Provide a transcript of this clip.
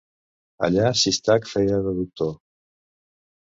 Allà Sistac feia de doctor